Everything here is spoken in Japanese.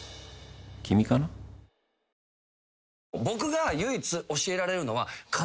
僕が唯一教えられるのは。